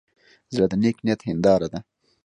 زړه د نیک نیت هنداره ده.